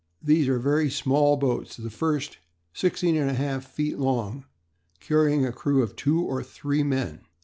These are very small boats, the first, 16 1/2 feet long, carrying a crew of two or three men.